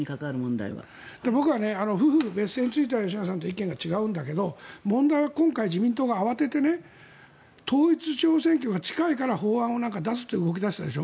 僕は夫婦別姓については吉永さんと意見が違うんだけど問題は今回、自民党が慌てて統一地方選挙が近いから法案を出すと動き出したでしょ。